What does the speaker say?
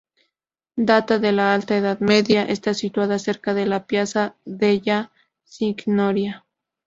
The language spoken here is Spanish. Data de la alta Edad Media, está situada cerca de la Piazza della Signoria.